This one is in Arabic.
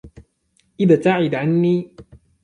ابتعد عني.